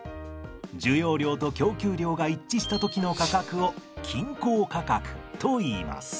需要量と供給量が一致した時の価格を均衡価格といいます。